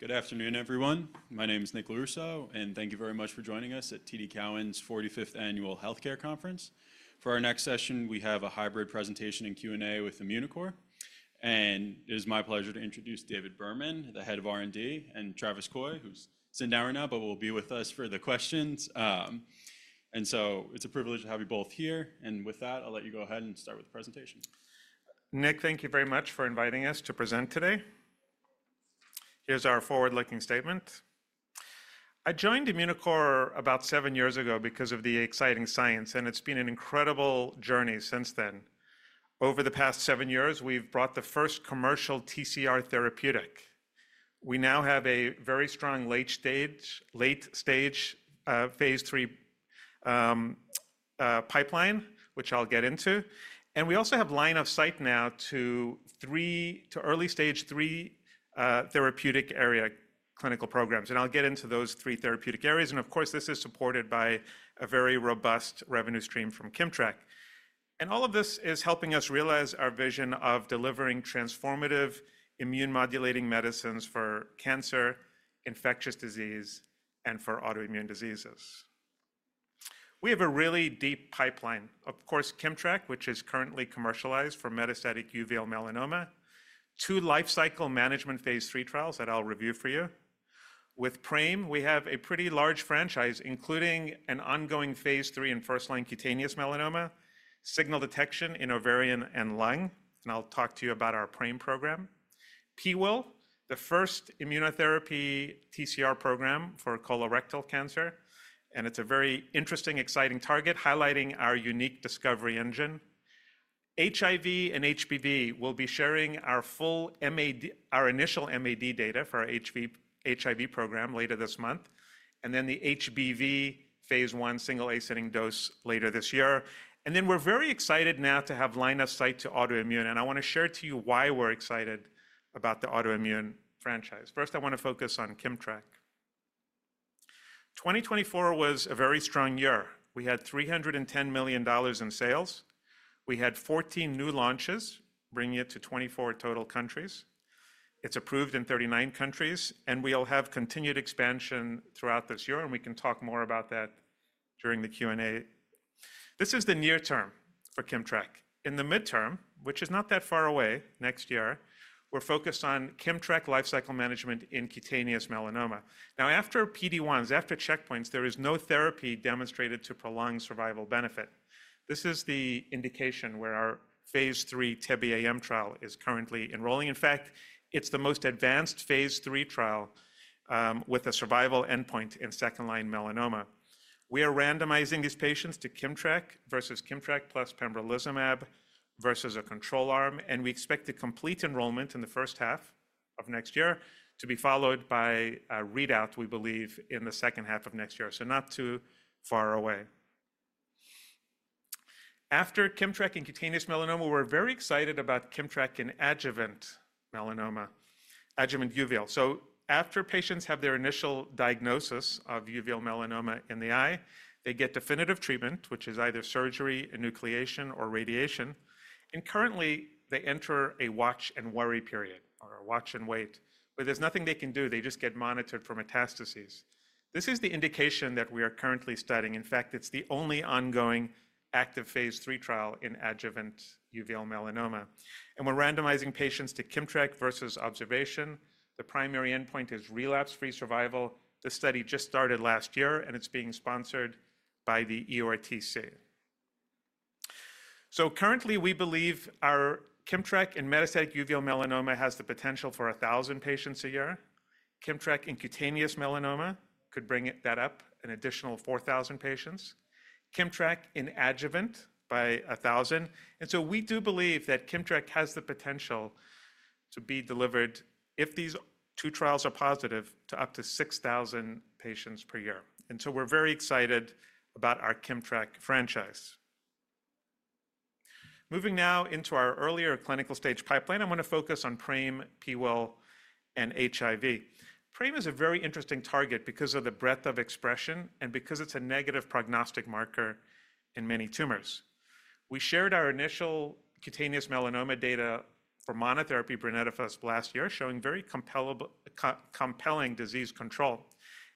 Good afternoon, everyone. My name is Nick Lorusso, and thank you very much for joining us at TD Cowen's 45th Annual Healthcare Conference. For our next session, we have a hybrid presentation and Q&A with Immunocore. It is my pleasure to introduce David Berman, the Head of R&D, and Travis Coy, who's sitting down right now, but will be with us for the questions. It is a privilege to have you both here. With that, I'll let you go ahead and start with the presentation. Nick, thank you very much for inviting us to present today. Here's our forward-looking statement. I joined Immunocore about seven years ago because of the exciting science, and it's been an incredible journey since then. Over the past seven years, we've brought the first commercial TCR therapeutic. We now have a very strong late-stage, late-stage phase III pipeline, which I'll get into. We also have line of sight now to early stage three therapeutic area clinical programs. I'll get into those three therapeutic areas. Of course, this is supported by a very robust revenue stream from KIMMTRAK. All of this is helping us realize our vision of delivering transformative immune-modulating medicines for cancer, infectious disease, and for autoimmune diseases. We have a really deep pipeline. Of course, KIMMTRAK, which is currently commercialized for metastatic uveal melanoma, two life cycle management phase III trials that I'll review for you. With PRAME, we have a pretty large franchise, including an ongoing phase III and first-line cutaneous melanoma, signal detection in ovarian and lung. I will talk to you about our PRAME program. PIWIL1, the first immunotherapy TCR program for colorectal cancer. It is a very interesting, exciting target, highlighting our unique discovery engine. HIV and HBV, we will be sharing our initial MAD data for our HIV program later this month. The HBV phase I single ascending dose later this year. We are very excited now to have line of sight to autoimmune. I want to share to you why we are excited about the autoimmune franchise. First, I want to focus on KIMMTRAK. 2024 was a very strong year. We had $310 million in sales. We had 14 new launches, bringing it to 24 total countries. It's approved in 39 countries, and we will have continued expansion throughout this year. We can talk more about that during the Q&A. This is the near term for KIMMTRAK. In the midterm, which is not that far away next year, we're focused on KIMMTRAK life cycle management in cutaneous melanoma. Now, after PD-1s, after checkpoints, there is no therapy demonstrated to prolong survival benefit. This is the indication where our phase III TEBE-AM trial is currently enrolling. In fact, it's the most advanced phase III trial with a survival endpoint in second-line melanoma. We are randomizing these patients to KIMMTRAK versus KIMMTRAK plus pembrolizumab versus a control arm. We expect the complete enrollment in the first half of next year to be followed by a readout, we believe, in the second half of next year. Not too far away. After KIMMTRAK in cutaneous melanoma, we're very excited about KIMMTRAK in adjuvant melanoma, adjuvant uveal. After patients have their initial diagnosis of uveal melanoma in the eye, they get definitive treatment, which is either surgery, enucleation, or radiation. Currently, they enter a watch and worry period or a watch and wait, where there's nothing they can do. They just get monitored for metastases. This is the indication that we are currently studying. In fact, it's the only ongoing active phase III trial in adjuvant uveal melanoma. We're randomizing patients to KIMMTRAK versus observation. The primary endpoint is relapse-free survival. The study just started last year, and it's being sponsored by the EORTC. Currently, we believe our KIMMTRAK in metastatic uveal melanoma has the potential for 1,000 patients a year. KIMMTRAK in cutaneous melanoma could bring that up an additional 4,000 patients. KIMMTRAK in adjuvant by 1,000. We do believe that KIMMTRAK has the potential to be delivered, if these two trials are positive, to up to 6,000 patients per year. We are very excited about our KIMMTRAK franchise. Moving now into our earlier clinical stage pipeline, I want to focus on PRAME, PIWIL1, and HIV. PRAME is a very interesting target because of the breadth of expression and because it's a negative prognostic marker in many tumors. We shared our initial cutaneous melanoma data for monotherapy brenetafusp last year, showing very compelling disease control.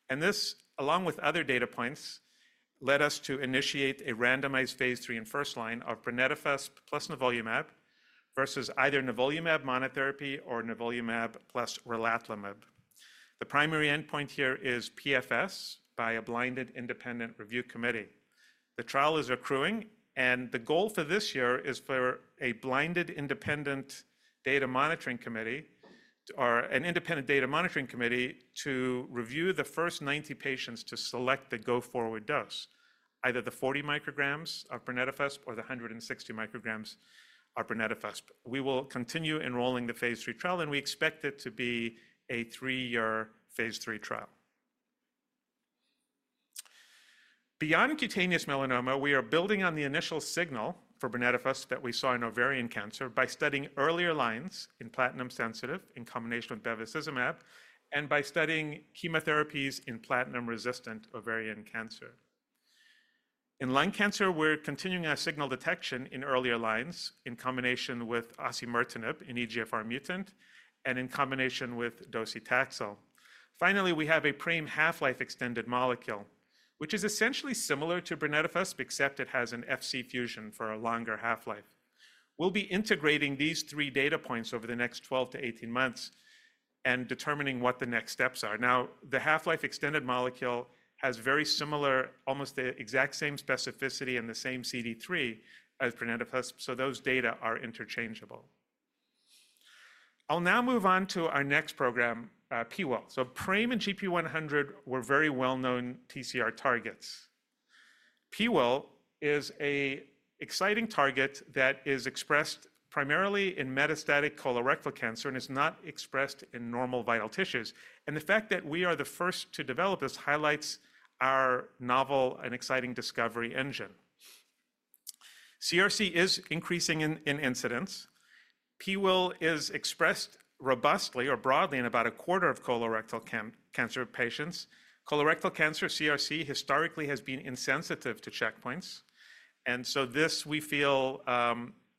This, along with other data points, led us to initiate a randomized phase III in first line of brenetafusp plus nivolumab versus either nivolumab monotherapy or nivolumab plus relatlimab. The primary endpoint here is PFS by a blinded independent review committee. The trial is accruing, and the goal for this year is for a blinded independent data monitoring committee or an independent data monitoring committee to review the first 90 patients to select the go-forward dose, either the 40 micrograms of brenetafusp or the 160 micrograms of brenetafusp. We will continue enrolling the phase III trial, and we expect it to be a three-year phase III trial. Beyond cutaneous melanoma, we are building on the initial signal for brenetafusp that we saw in ovarian cancer by studying earlier lines in platinum sensitive in combination with bevacizumab and by studying chemotherapies in platinum-resistant ovarian cancer. In lung cancer, we're continuing our signal detection in earlier lines in combination with osimertinib in EGFR mutant and in combination with docetaxel. Finally, we have a PRAME half-life extended molecule, which is essentially similar to brenetafusp, except it has an Fc fusion for a longer half-life. We'll be integrating these three data points over the next 12 to 18 months and determining what the next steps are. Now, the half-life extended molecule has very similar, almost the exact same specificity and the same CD3 as brenetafusp, so those data are interchangeable. I'll now move on to our next program, PIWIL1. PRAME and gp100 were very well-known TCR targets. PIWIL1 is an exciting target that is expressed primarily in metastatic colorectal cancer and is not expressed in normal vital tissues. The fact that we are the first to develop this highlights our novel and exciting discovery engine. CRC is increasing in incidence. PIWIL1 is expressed robustly or broadly in about a quarter of colorectal cancer patients. Colorectal cancer, CRC, historically has been insensitive to checkpoints. This, we feel,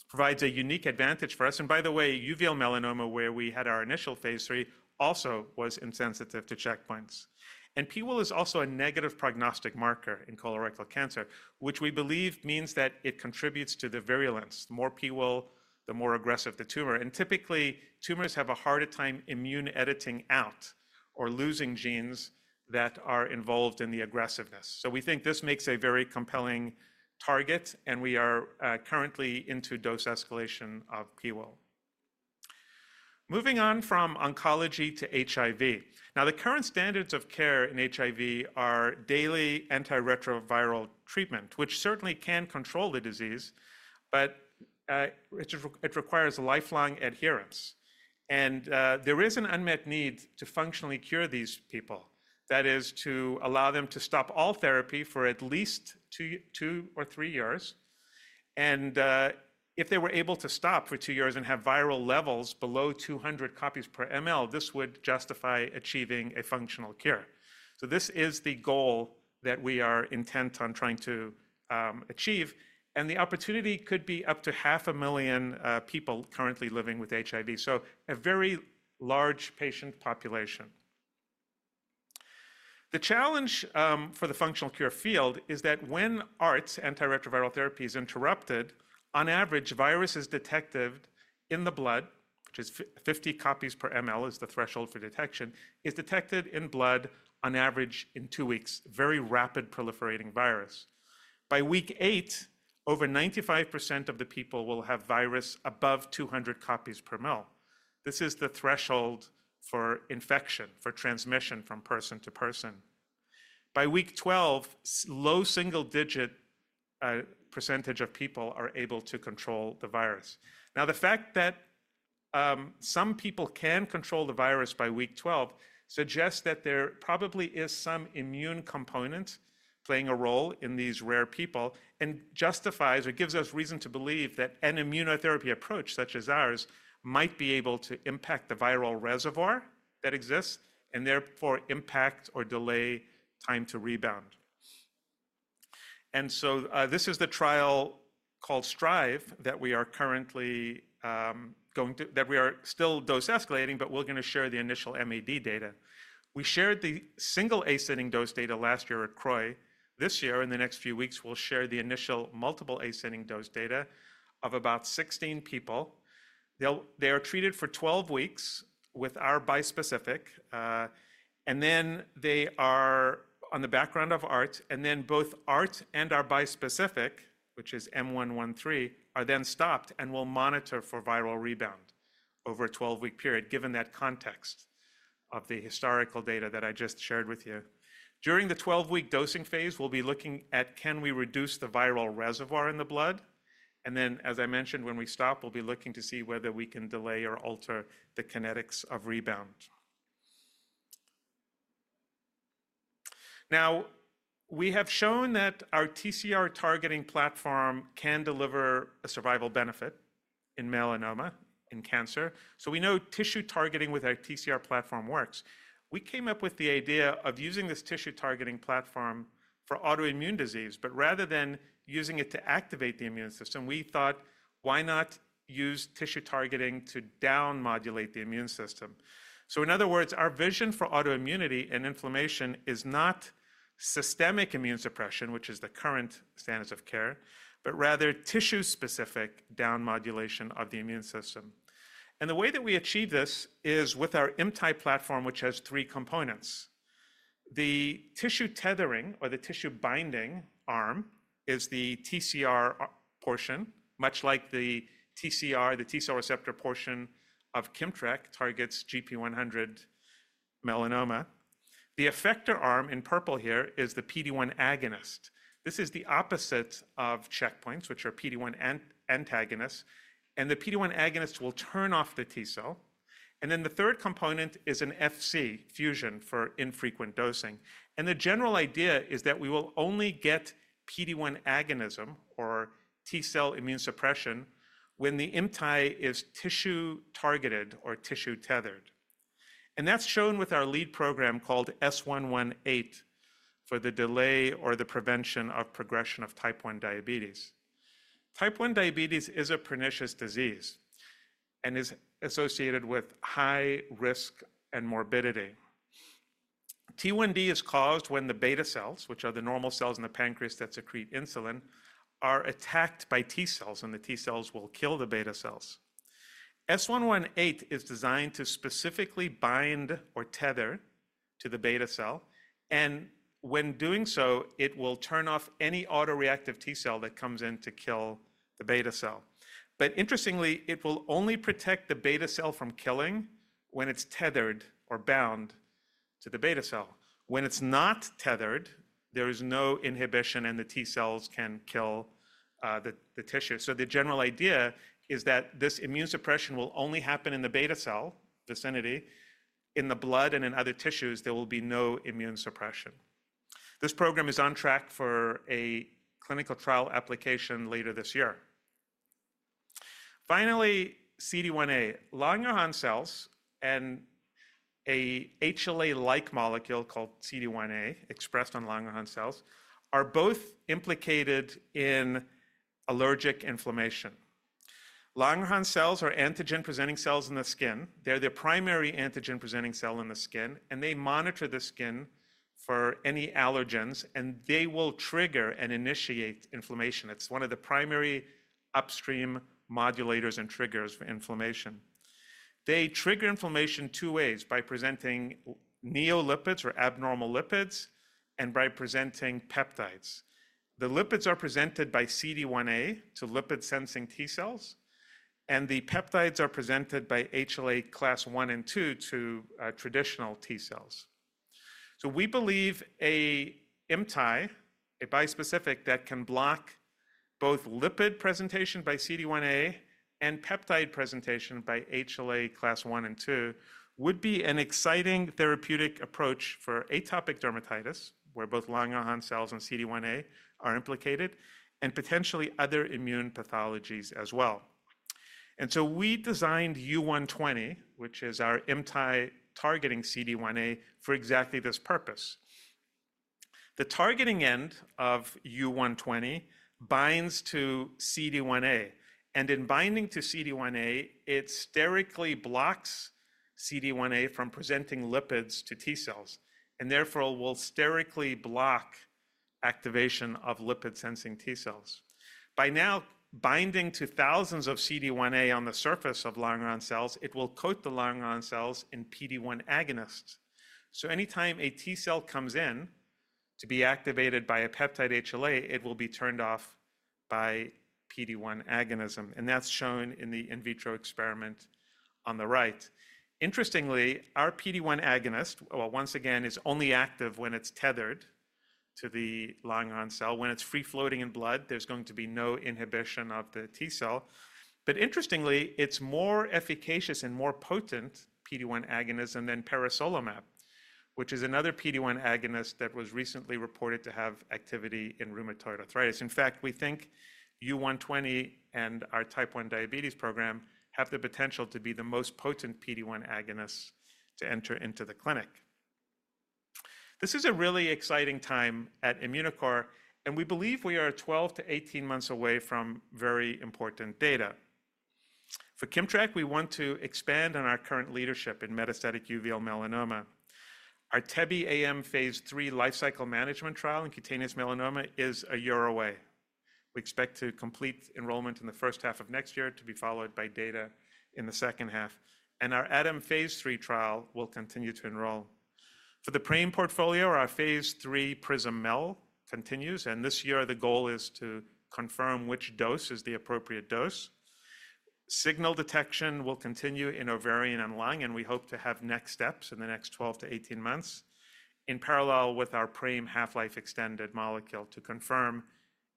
provides a unique advantage for us. By the way, uveal melanoma, where we had our initial phase III, also was insensitive to checkpoints. PIWIL1 is also a negative prognostic marker in colorectal cancer, which we believe means that it contributes to the virulence. The more PIWIL1, the more aggressive the tumor. Typically, tumors have a harder time immune editing out or losing genes that are involved in the aggressiveness. We think this makes a very compelling target, and we are currently into dose escalation of PIWIL1. Moving on from oncology to HIV. The current standards of care in HIV are daily antiretroviral treatment, which certainly can control the disease, but it requires lifelong adherence. There is an unmet need to functionally cure these people, that is, to allow them to stop all therapy for at least two or three years. If they were able to stop for two years and have viral levels below 200 copies per ml, this would justify achieving a functional cure. This is the goal that we are intent on trying to achieve. The opportunity could be up to 500,000 people currently living with HIV, so a very large patient population. The challenge for the functional cure field is that when ART, antiretroviral therapies, are interrupted, on average, virus is detected in the blood, which is 50 copies per ml is the threshold for detection, is detected in blood on average in two weeks, a very rapidly proliferating virus. By week eight, over 95% of the people will have virus above 200 copies per ml. This is the threshold for infection, for transmission from person to person. By week 12, low single-digit % of people are able to control the virus. Now, the fact that some people can control the virus by week 12 suggests that there probably is some immune component playing a role in these rare people and justifies or gives us reason to believe that an immunotherapy approach such as ours might be able to impact the viral reservoir that exists and therefore impact or delay time to rebound. This is the trial called STRIVE that we are currently going to, that we are still dose escalating, but we're going to share the initial MAD data. We shared the single ascending dose data last year at CROI. This year, in the next few weeks, we'll share the initial multiple-ascending dose data of about 16 people. They are treated for 12 weeks with our bispecific, and then they are on the background of ART, and then both ART and our bispecific, which is M113, are then stopped and will monitor for viral rebound over a 12-week period, given that context of the historical data that I just shared with you. During the 12-week dosing phase, we'll be looking at can we reduce the viral reservoir in the blood. As I mentioned, when we stop, we'll be looking to see whether we can delay or alter the kinetics of rebound. Now, we have shown that our TCR targeting platform can deliver a survival benefit in melanoma, in cancer. We know tissue targeting with our TCR platform works. We came up with the idea of using this tissue targeting platform for autoimmune disease, but rather than using it to activate the immune system, we thought, why not use tissue targeting to down-modulate the immune system? In other words, our vision for autoimmunity and inflammation is not systemic immune suppression, which is the current standards of care, but rather tissue-specific down-modulation of the immune system. The way that we achieve this is with our ImmTAAI platform, which has three components. The tissue tethering or the tissue binding arm is the TCR portion, much like the TCR, the T-cell receptor portion of KIMMTRAK, targets gp100 melanoma. The effector arm in purple here is the PD-1 agonist. This is the opposite of checkpoints, which are PD-1 antagonists. The PD-1 agonists will turn off the T-cell. The third component is an Fc fusion for infrequent dosing. The general idea is that we will only get PD-1 agonism or T-cell immune suppression when the ImmTAAI is tissue-targeted or tissue-tethered. That is shown with our lead program called S118 for the delay or the prevention of progression of type 1 diabetes. Type 1 diabetes is a pernicious disease and is associated with high risk and morbidity. T1D is caused when the beta cells, which are the normal cells in the pancreas that secrete insulin, are attacked by T-cells, and the T-cells will kill the beta cells. S118 is designed to specifically bind or tether to the beta cell. When doing so, it will turn off any autoreactive T-cell that comes in to kill the beta cell. Interestingly, it will only protect the beta cell from killing when it is tethered or bound to the beta cell. When it's not tethered, there is no inhibition, and the T-cells can kill the tissue. The general idea is that this immune suppression will only happen in the beta cell vicinity. In the blood and in other tissues, there will be no immune suppression. This program is on track for a clinical trial application later this year. Finally, CD1A. Langerhans cells and an HLA-like molecule called CD1A expressed on Langerhans cells are both implicated in allergic inflammation. Langerhans cells are antigen-presenting cells in the skin. They're the primary antigen-presenting cell in the skin, and they monitor the skin for any allergens, and they will trigger and initiate inflammation. It's one of the primary upstream modulators and triggers for inflammation. They trigger inflammation two ways: by presenting neolipids or abnormal lipids and by presenting peptides. The lipids are presented by CD1A to lipid-sensing T-cells, and the peptides are presented by HLA class I and II to traditional T-cells. We believe an ImmTAAI, a bispecific that can block both lipid presentation by CD1A and peptide presentation by HLA class I and II, would be an exciting therapeutic approach for atopic dermatitis, where both Langerhans cells and CD1A are implicated, and potentially other immune pathologies as well. We designed U120, which is our ImmTAAI targeting CD1A, for exactly this purpose. The targeting end of U120 binds to CD1A, and in binding to CD1A, it sterically blocks CD1A from presenting lipids to T-cells, and therefore will sterically block activation of lipid-sensing T-cells. By now binding to thousands of CD1A on the surface of Langerhans cells, it will coat the Langerhans cells in PD-1 agonists. Anytime a T-cell comes in to be activated by a peptide HLA, it will be turned off by PD-1 agonism, and that's shown in the in vitro experiment on the right. Interestingly, our PD-1 agonist, once again, is only active when it's tethered to the Langerhans cell. When it's free-floating in blood, there's going to be no inhibition of the T-cell. Interestingly, it's more efficacious and more potent, PD-1 agonism than peresolimab, which is another PD-1 agonist that was recently reported to have activity in rheumatoid arthritis. In fact, we think U120 and our type 1 diabetes program have the potential to be the most potent PD-1 agonists to enter into the clinic. This is a really exciting time at Immunocore, and we believe we are 12-18 months away from very important data. For KIMMTRAK, we want to expand on our current leadership in metastatic uveal melanoma. Our TEBE-AM phase III life cycle management trial in cutaneous melanoma is a year away. We expect to complete enrollment in the first half of next year to be followed by data in the second half. Our ATOM phase III trial will continue to enroll. For the PRAME portfolio, our phase III PRISM-MEL continues, and this year, the goal is to confirm which dose is the appropriate dose. Signal detection will continue in ovarian and lung, and we hope to have next steps in the next 12-18 months in parallel with our PRAME half-life extended molecule to confirm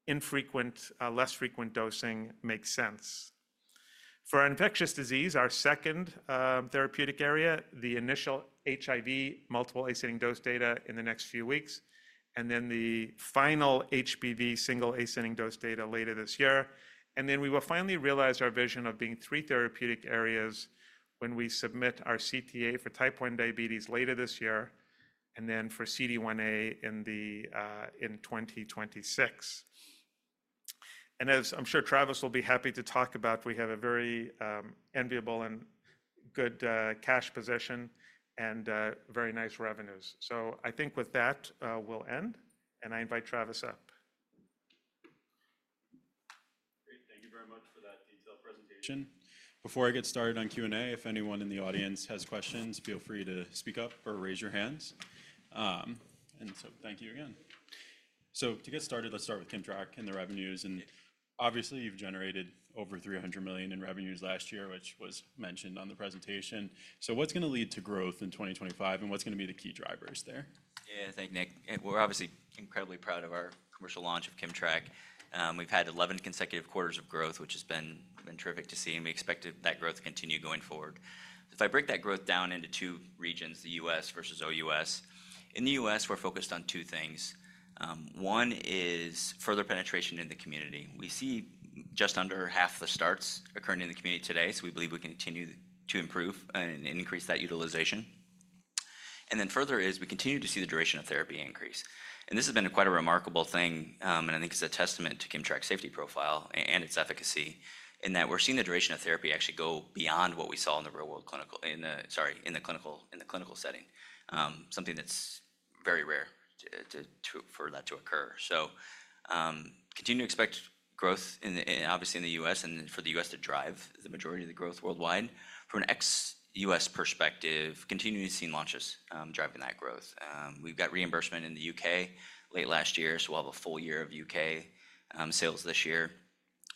infrequent, less frequent dosing makes sense. For infectious disease, our second therapeutic area, the initial HIV multiple ascending dose data in the next few weeks, and then the final HBV single ascending dose data later this year. We will finally realize our vision of being three therapeutic areas when we submit our CTA for type 1 diabetes later this year and then for CD1A in 2026. As I am sure Travis will be happy to talk about, we have a very enviable and good cash position and very nice revenues. I think with that, we will end, and I invite Travis up. Great. Thank you very much for that detailed presentation. Before I get started on Q&A, if anyone in the audience has questions, feel free to speak up or raise your hands. Thank you again. To get started, let's start with KIMMTRAK and the revenues. Obviously, you've generated over $300 million in revenues last year, which was mentioned on the presentation. What's going to lead to growth in 2025, and what's going to be the key drivers there? Yeah, thank you, Nick. We're obviously incredibly proud of our commercial launch of KIMMTRAK. We've had 11 consecutive quarters of growth, which has been terrific to see, and we expected that growth to continue going forward. If I break that growth down into two regions, the U.S. versus OUS, in the U.S., we're focused on two things. One is further penetration in the community. We see just under half the starts occurring in the community today, so we believe we continue to improve and increase that utilization. Further, we continue to see the duration of therapy increase. This has been quite a remarkable thing, and I think it's a testament to KIMMTRAK's safety profile and its efficacy in that we're seeing the duration of therapy actually go beyond what we saw in the real-world clinical, sorry, in the clinical setting, something that's very rare for that to occur. Continue to expect growth, obviously in the U.S., and for the U.S. to drive the majority of the growth worldwide. From an ex-U.S. perspective, continuing to see launches driving that growth. We've got reimbursement in the U.K. late last year, so we'll have a full year of U.K. sales this year.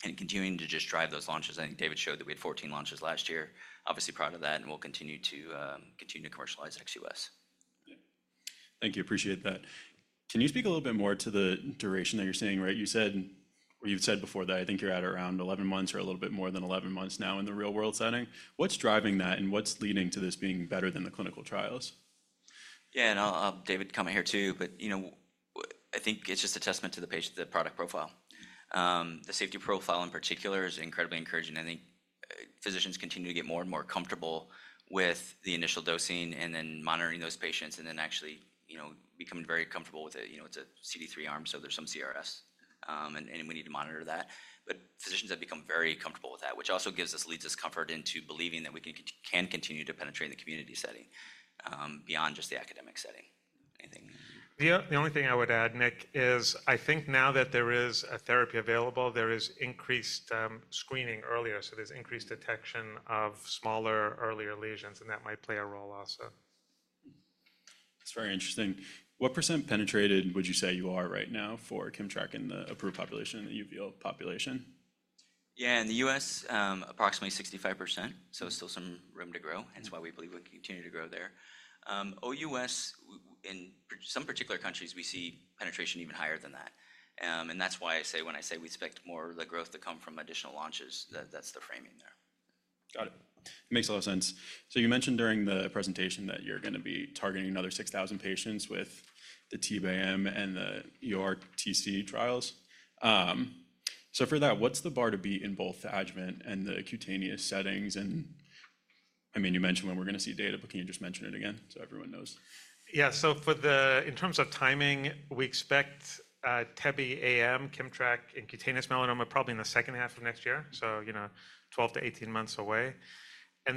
Continuing to just drive those launches. I think David showed that we had 14 launches last year. Obviously proud of that, and we'll continue to continue to commercialize ex-U.S. Thank you. Appreciate that. Can you speak a little bit more to the duration that you're seeing, right? You said, or you've said before that I think you're at around 11 months or a little bit more than 11 months now in the real-world setting. What's driving that, and what's leading to this being better than the clinical trials? Yeah, and I'll have David come in here too, but I think it's just a testament to the product profile. The safety profile in particular is incredibly encouraging. I think physicians continue to get more and more comfortable with the initial dosing and then monitoring those patients and then actually becoming very comfortable with it. It's a CD3 arm, so there's some CRS, and we need to monitor that. Physicians have become very comfortable with that, which also gives us, leads us comfort into believing that we can continue to penetrate in the community setting beyond just the academic setting. The only thing I would add, Nick, is I think now that there is a therapy available, there is increased screening earlier, so there's increased detection of smaller, earlier lesions, and that might play a role also. That's very interesting. What percent penetrated would you say you are right now for KIMMTRAK in the approved population, the uveal population? Yeah, in the U.S., approximately 65%, so still some room to grow. That is why we believe we'll continue to grow there. OUS, in some particular countries, we see penetration even higher than that. That is why I say when I say we expect more of the growth to come from additional launches, that is the framing there. Got it. Makes a lot of sense. You mentioned during the presentation that you're going to be targeting another 6,000 patients with the TEBE-AM and the U120 trials. For that, what's the bar to beat in both the adjuvant and the cutaneous settings? I mean, you mentioned when we're going to see data, but can you just mention it again so everyone knows? Yeah, so for the, in terms of timing, we expect TEBE-AM, KIMMTRAK, and cutaneous melanoma probably in the second half of next year, so 12-18 months away. For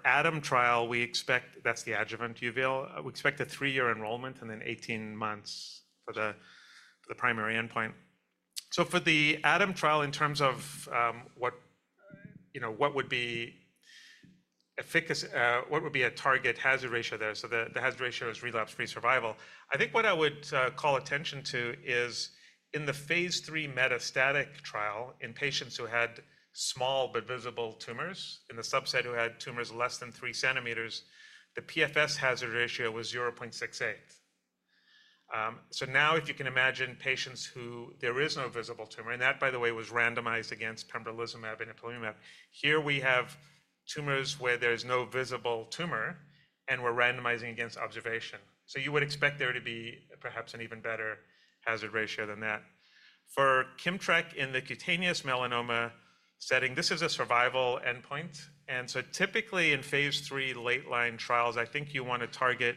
the ATOM trial, we expect, that's the adjuvant uveal, we expect a three-year enrollment and then 18 months for the primary endpoint. For the ATOM trial, in terms of what would be a target hazard ratio there, so the hazard ratio is relapse-free survival. I think what I would call attention to is in the phase III metastatic trial in patients who had small but visible tumors in the subset who had tumors less than three centimeters, the PFS hazard ratio was 0.68. If you can imagine patients who there is no visible tumor, and that, by the way, was randomized against pembrolizumab and ipilimumab, here we have tumors where there is no visible tumor, and we're randomizing against observation. You would expect there to be perhaps an even better hazard ratio than that. For KIMMTRAK in the cutaneous melanoma setting, this is a survival endpoint. Typically in phase III late-line trials, I think you want to target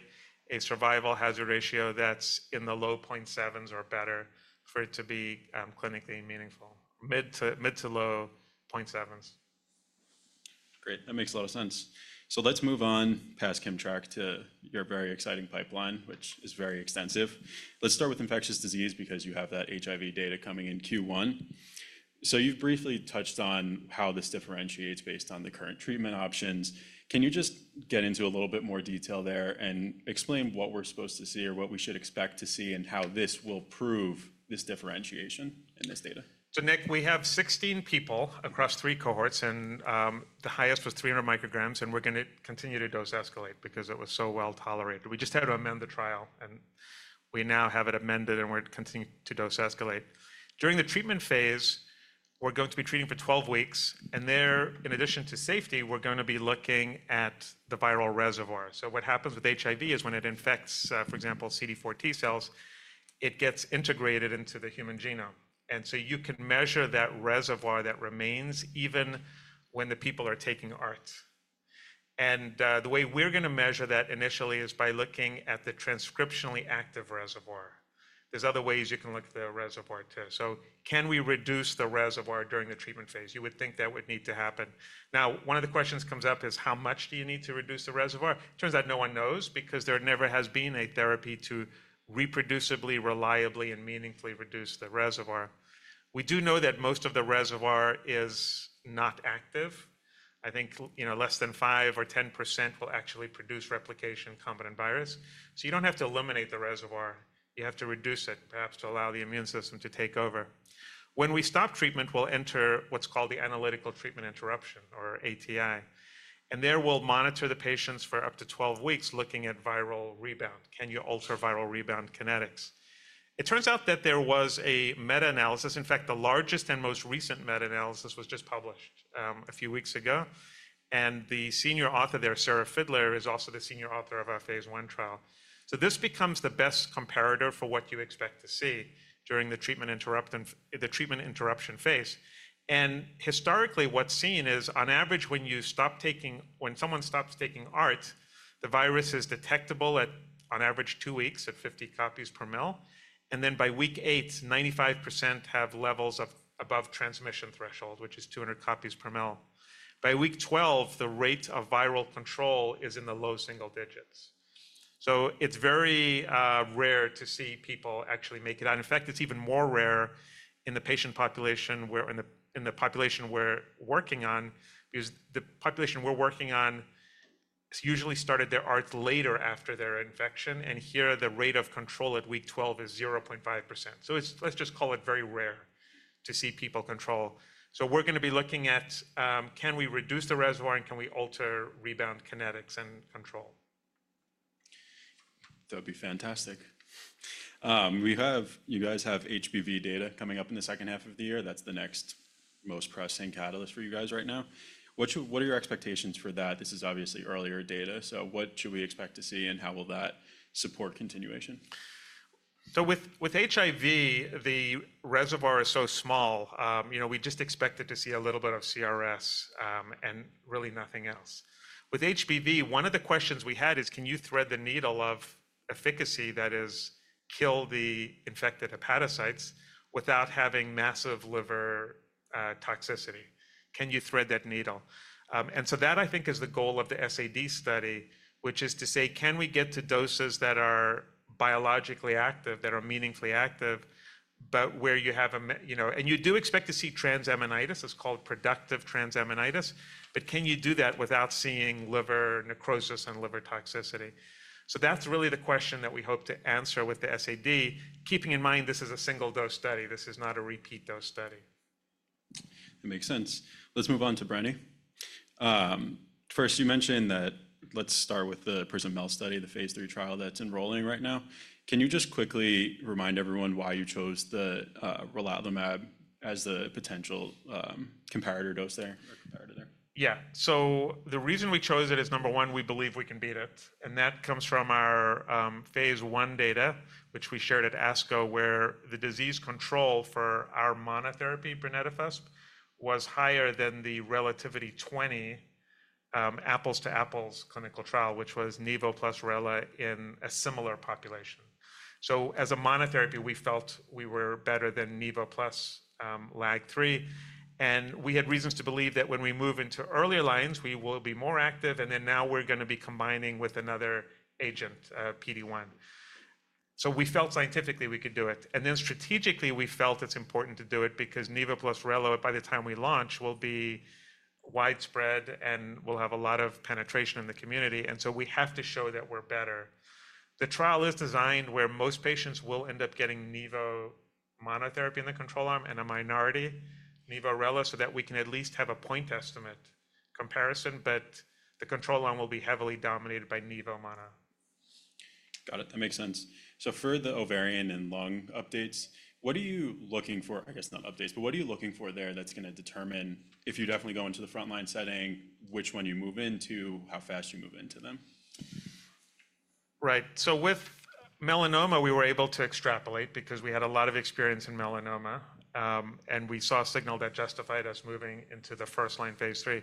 a survival hazard ratio that's in the low 0.7s or better for it to be clinically meaningful, mid to low 0.7s. Great. That makes a lot of sense. Let's move on past KIMMTRAK to your very exciting pipeline, which is very extensive. Let's start with infectious disease because you have that HIV data coming in Q1. You've briefly touched on how this differentiates based on the current treatment options. Can you just get into a little bit more detail there and explain what we're supposed to see or what we should expect to see and how this will prove this differentiation in this data? Nick, we have 16 people across three cohorts, and the highest was 300 micrograms, and we're going to continue to dose escalate because it was so well tolerated. We just had to amend the trial, and we now have it amended, and we're continuing to dose escalate. During the treatment phase, we're going to be treating for 12 weeks, and there, in addition to safety, we're going to be looking at the viral reservoir. What happens with HIV is when it infects, for example, CD4 T-cells, it gets integrated into the human genome. You can measure that reservoir that remains even when the people are taking ART. The way we're going to measure that initially is by looking at the transcriptionally active reservoir. There are other ways you can look at the reservoir too. Can we reduce the reservoir during the treatment phase? You would think that would need to happen. Now, one of the questions comes up is how much do you need to reduce the reservoir? It turns out no one knows because there never has been a therapy to reproducibly, reliably, and meaningfully reduce the reservoir. We do know that most of the reservoir is not active. I think less than 5% or 10% will actually produce replication combined virus. So you don't have to eliminate the reservoir. You have to reduce it, perhaps to allow the immune system to take over. When we stop treatment, we'll enter what's called the analytical treatment interruption or ATI. There we'll monitor the patients for up to 12 weeks looking at viral rebound. Can you alter viral rebound kinetics? It turns out that there was a meta-analysis. In fact, the largest and most recent meta-analysis was just published a few weeks ago. The senior author there, Sarah Fidler, is also the senior author of our phase I trial. This becomes the best comparator for what you expect to see during the treatment interruption phase. Historically, what's seen is on average, when you stop taking, when someone stops taking ART, the virus is detectable at on average two weeks at 50 copies per mil. By week eight, 95% have levels above transmission threshold, which is 200 copies per mil. By week 12, the rate of viral control is in the low single digits. It's very rare to see people actually make it out. In fact, it's even more rare in the patient population we're in, the population we're working on, because the population we're working on usually started their ART later after their infection. Here, the rate of control at week 12 is 0.5%. Let's just call it very rare to see people control. We're going to be looking at can we reduce the reservoir and can we alter rebound kinetics and control? That'd be fantastic. You guys have HBV data coming up in the second half of the year. That's the next most pressing catalyst for you guys right now. What are your expectations for that? This is obviously earlier data. What should we expect to see and how will that support continuation? With HIV, the reservoir is so small, we just expected to see a little bit of CRS and really nothing else. With HBV, one of the questions we had is can you thread the needle of efficacy, that is, kill the infected hepatocytes without having massive liver toxicity? Can you thread that needle? That, I think, is the goal of the SAD study, which is to say, can we get to doses that are biologically active, that are meaningfully active, but where you have a, and you do expect to see transaminitis. It's called productive transaminitis. Can you do that without seeing liver necrosis and liver toxicity? That is really the question that we hope to answer with the SAD, keeping in mind this is a single-dose study. This is not a repeat dose study. That makes sense. Let's move on to brenetafusp. First, you mentioned that let's start with the PRISM-MEL study, the phase III trial that's enrolling right now. Can you just quickly remind everyone why you chose the relatlimab as the potential comparator dose there or comparator there? Yeah. The reason we chose it is, number one, we believe we can beat it. That comes from our phase I data, which we shared at ASCO, where the disease control for our monotherapy, brenetafusp, was higher than the RELATIVITY-020 apples-to-apples clinical trial, which was nivolumab plus relatlimab in a similar population. As a monotherapy, we felt we were better than nivolumab plus LAG3. We had reasons to believe that when we move into earlier lines, we will be more active. Now we're going to be combining with another agent, PD-1. We felt scientifically we could do it. Strategically, we felt it's important to do it because nivolumab plus relatlimab, by the time we launch, will be widespread and will have a lot of penetration in the community. We have to show that we're better. The trial is designed where most patients will end up getting nivolumab monotherapy in the control arm and a minority, nivolumab relatlimab, so that we can at least have a point estimate comparison, but the control arm will be heavily dominated by nivolumab mono. Got it. That makes sense. For the ovarian and lung updates, what are you looking for? I guess not updates, but what are you looking for there that's going to determine if you definitely go into the frontline setting, which one you move into, how fast you move into them? Right. With melanoma, we were able to extrapolate because we had a lot of experience in melanoma, and we saw a signal that justified us moving into the first line phase III.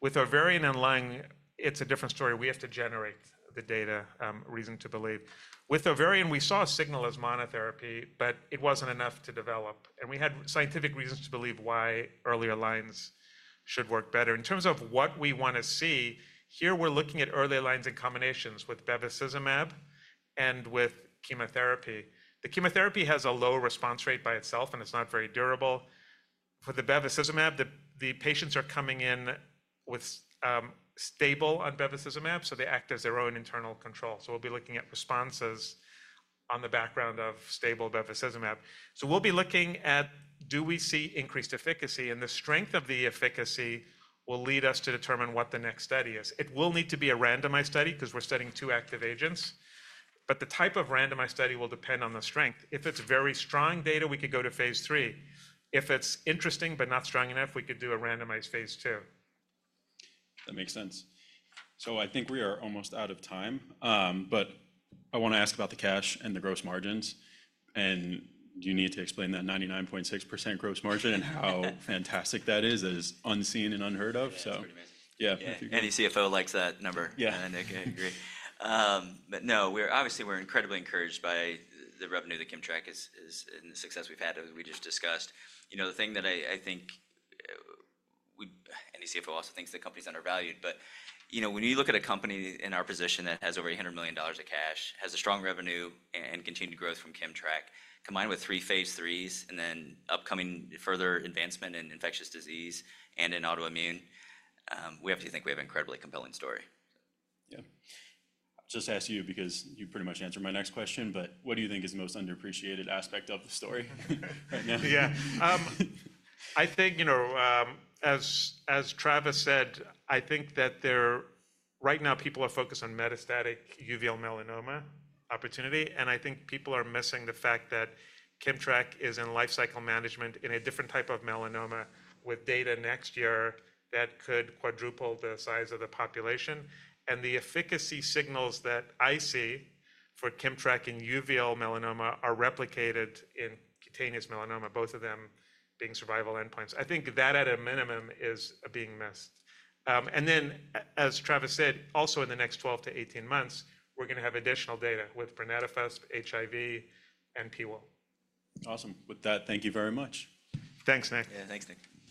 With ovarian and lung, it's a different story. We have to generate the data, reason to believe. With ovarian, we saw a signal as monotherapy, but it wasn't enough to develop. We had scientific reasons to believe why earlier lines should work better. In terms of what we want to see, here we're looking at early lines in combinations with bevacizumab and with chemotherapy. The chemotherapy has a low response rate by itself, and it's not very durable. For the bevacizumab, the patients are coming in with stable on bevacizumab, so they act as their own internal control. We'll be looking at responses on the background of stable bevacizumab. We will be looking at do we see increased efficacy, and the strength of the efficacy will lead us to determine what the next study is. It will need to be a randomized study because we are studying two active agents. The type of randomized study will depend on the strength. If it is very strong data, we could go to phase III. If it is interesting but not strong enough, we could do a randomized phase II. That makes sense. I think we are almost out of time, but I want to ask about the cash and the gross margins. Do you need to explain that 99.6% gross margin and how fantastic that is? That is unseen and unheard of. That's pretty amazing. Yeah. Any CFO likes that number. Yeah. I agree. No, obviously, we're incredibly encouraged by the revenue that KIMMTRAK is and the success we've had, as we just discussed. The thing that I think, we, and the CFO also thinks the company's undervalued, but when you look at a company in our position that has over $800 million of cash, has strong revenue and continued growth from KIMMTRAK, combined with three phase IIIs and then upcoming further advancement in infectious disease and in autoimmune, we have to think we have an incredibly compelling story. Yeah. I'll just ask you because you pretty much answered my next question, but what do you think is the most underappreciated aspect of the story right now? Yeah. I think as Travis said, I think that right now, people are focused on metastatic uveal melanoma opportunity. I think people are missing the fact that KIMMTRAK is in life cycle management in a different type of melanoma with data next year that could quadruple the size of the population. The efficacy signals that I see for KIMMTRAK in uveal melanoma are replicated in cutaneous melanoma, both of them being survival endpoints. I think that at a minimum is being missed. As Travis said, also in the next 12-18 months, we're going to have additional data with brenetafusp, HIV, and PIWIL1. Awesome. With that, thank you very much. Thanks, Nick. Yeah, thanks, Nick.